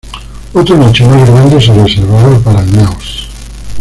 Otro nicho más grande se reservaba para el naos.